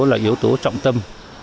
là yếu tố trọng tâm